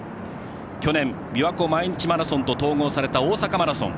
去年、びわ湖毎日マラソンと統合された大阪マラソン。